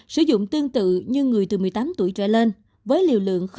sử dụng tương tự như người từ một mươi tám tuổi trẻ lên với liều lượng ba ml mỗi liều